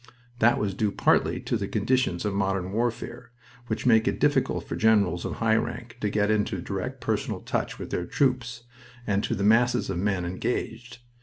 That was due partly to the conditions of modern warfare, which make it difficult for generals of high rank to get into direct personal touch with their troops, and to the masses of men engaged.